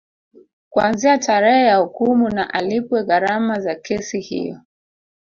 Kuanzia tarehe ya hukumu na alipwe gharama za kesi hiyo